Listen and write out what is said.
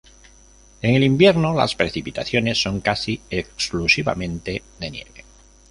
En el invierno las precipitaciones son casi exclusivamente de nieve.